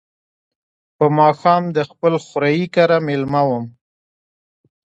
په ماښام د خپل خوریي کره مېلمه وم.